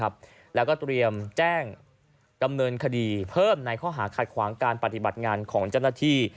เพิ่มในข้อหาขัดขวางการปฏิบัติงานของเจ้าหน้าที่